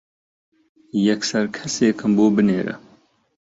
یەکسەر کەسێکم بۆ بنێرە.